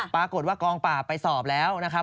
ปรากฏว่ากองปราบไปสอบแล้วนะครับ